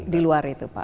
di luar itu pak